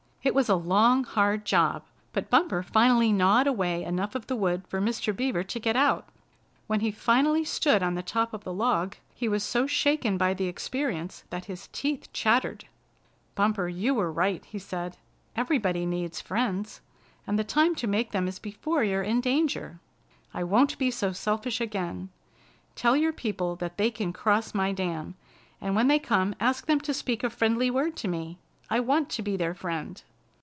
It was a long, hard job, but Bumper finally gnawed away enough of the wood for Mr. Beaver to get out. When he finally stood on the top of the log, he was so shaken by the experience that his teeth chattered. [Illustration: "TELL YOUR PEOPLE THAT THEY CAN CROSS MY DAM"] "Bumper, you were right," he said. "Everybody needs friends, and the time to make them is before you're in danger. I won't be so selfish again. Tell your people that they can cross my dam, and when they come ask them to speak a friendly word to me. I want to be their friend."